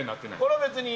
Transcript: これは別に。